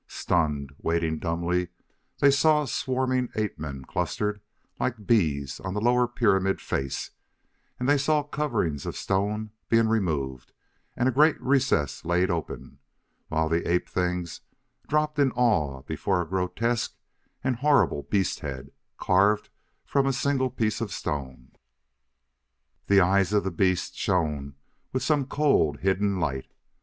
Stunned, waiting dumbly, they saw swarming ape men clustered like bees on the lower pyramid face; they saw coverings of stone being removed and a great recess laid open, while the ape things dropped in awe before a grotesque and horrible beast head carved from a single piece of stone. The eyes of the beast shone with some cold, hidden light.